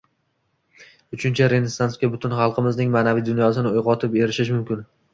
Uchinchi Renessansga butun xalqimizning ma’naviy dunyosini uyg‘otib erishish mumkin